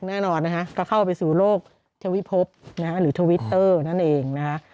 แน่นอนนะฮะก็เข้าไปสู่โลกทวิภพนะฮะหรือทวิตเตอร์นั่นเองนะคะ